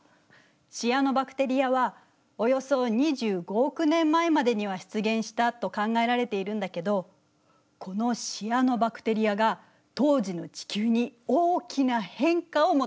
シアノバクテリアはおよそ２５億年前までには出現したと考えられているんだけどこのシアノバクテリアが当時の地球に大きな変化をもたらすのよ。